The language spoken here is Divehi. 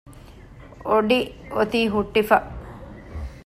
އޮޑި އޮތީ ހުއްޓިފަ